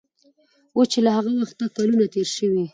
اوس چې له هغه وخته کلونه تېر شوي